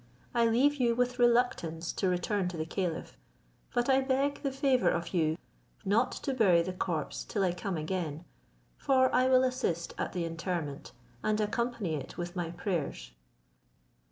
I leave you with reluctance, to return to the caliph; but I beg the favour of you not to bury the corpse till I come again; for I will assist at the interment, and accompany it with my prayers."